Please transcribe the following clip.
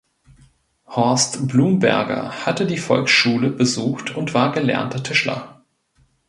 Horst Blumberger hatte die Volksschule besucht und war gelernter Tischler.